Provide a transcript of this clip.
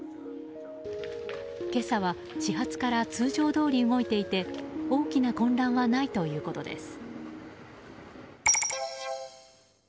今朝は、始発から通常どおり動いていて大きな混乱はないということです。